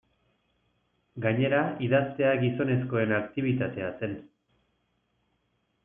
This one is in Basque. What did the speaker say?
Gainera, idaztea gizonezkoen aktibitatea zen.